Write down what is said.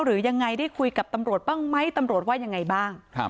หรือยังไงได้คุยกับตำรวจบ้างไหมตำรวจว่ายังไงบ้าง